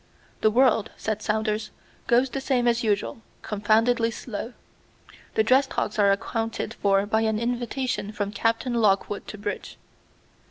"The world," said Saunders, "goes the same as usual, confoundedly slow. The dress togs are accounted for by an invitation from Captain Lockwood to bridge."